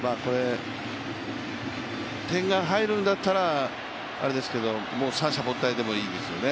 点が入るんだったらあれですけど、三者凡退でもいいですよね。